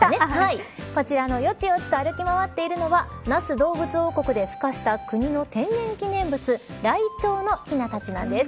こちらの、よちよちと歩き回っているのは那須どうぶつ王国でふ化した国の天然記念物ライチョウのひなたちなんです。